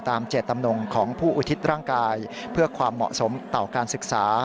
เจตจำนงของผู้อุทิศร่างกายเพื่อความเหมาะสมต่อการศึกษา